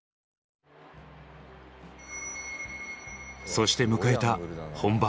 そして迎えた本番。